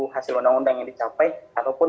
hasil undang undang yang dicapai ataupun